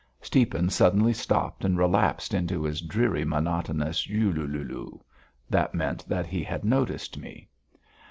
Stiepan suddenly stopped and relapsed into his dreary, monotonous "U lu lu lu." That meant that he had noticed me.